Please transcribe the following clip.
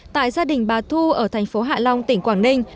tại gia đình bà thu ở thành phố hạ long tỉnh quảng ninh